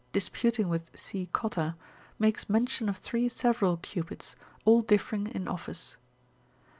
disputing with C. Cotta, makes mention of three several Cupids, all differing in office.